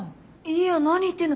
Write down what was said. いや何言ってんの。